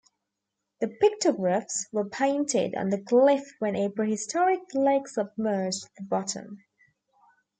The pictographs were painted on the cliff when a prehistoric lake submerged the bottom.